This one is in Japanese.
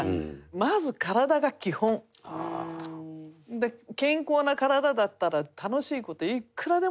で健康な体だったら楽しい事いくらでもできるから。